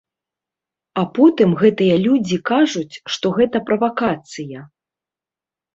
А потым гэтыя людзі кажуць, што гэта правакацыя.